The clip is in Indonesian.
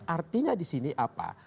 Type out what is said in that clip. artinya di sini apa